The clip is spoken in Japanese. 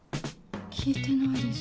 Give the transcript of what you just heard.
聞いてないです。